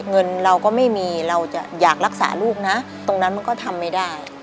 เงินเราก็ไม่มีเราจะอยากรักษาลูกนะตรงนั้นมันก็ทำไม่ได้